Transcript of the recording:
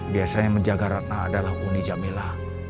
biasanya menjaga ratna adalah uni jamila